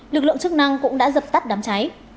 lực lượng chức năng cũng đã dập tắt đám cháy